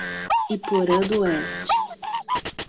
Iporã do Oeste